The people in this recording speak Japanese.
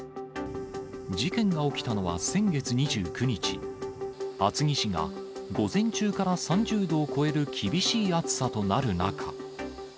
事件が起きたのは先月２９日、厚木市が午前中から３０度を超える厳しい暑さとなる中。